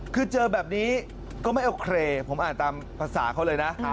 คือเจอแบบนี้ก็ไม่โอเคผมอ่านตามภาษาเขาเลยนะ